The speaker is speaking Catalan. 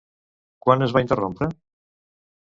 Quan es va interrompre?